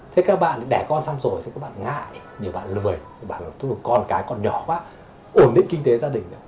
thế các bạn đẻ con xong rồi các bạn ngại nhiều bạn lười các bạn là con cái còn nhỏ quá ổn định kinh tế gia đình